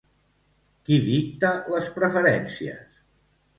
Qui dicta les preferències?